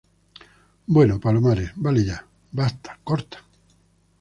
bueno, Palomares, vale ya. basta, corta.